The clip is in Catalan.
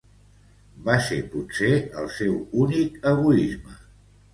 Va ser potser el seu únic egoisme.